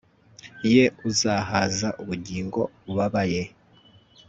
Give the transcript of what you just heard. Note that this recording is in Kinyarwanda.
ye uzahaza ubugingo bubabaye